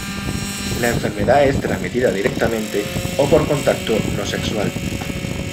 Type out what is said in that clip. La enfermedad es transmitida directamente o por contacto no-sexual.